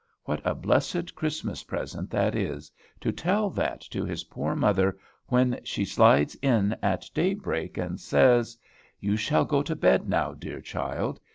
What a blessed Christmas present that is, to tell that to his poor mother when she slides in at daybreak, and says, "You shall go to bed now, dear child.